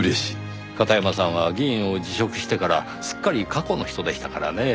片山さんは議員を辞職してからすっかり過去の人でしたからねぇ。